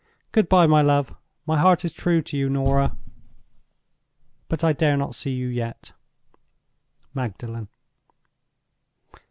Good by, my love. My heart is true to you, Norah, but I dare not see you yet. "MAGDALEN."